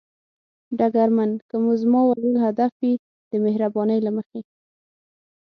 ډګرمن: که مو زما وژل هدف وي، د مهربانۍ له مخې.